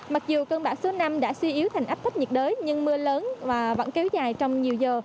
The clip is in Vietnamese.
mặc dù cơn bão số năm đã suy yếu thành áp thấp nhiệt đới nhưng mưa lớn và vẫn kéo dài trong nhiều giờ